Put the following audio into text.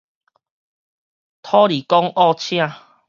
土地公僫請